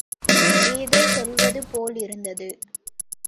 ஏதோ சொல்வது போலிருந்தது.